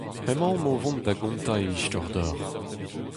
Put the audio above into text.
Emaomp o vont da gontañ e istor deoc'h.